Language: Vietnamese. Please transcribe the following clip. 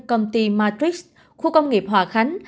công ty matrix khu công nghiệp hòa khánh